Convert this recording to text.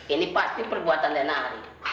ini pasti perbuatan riana ari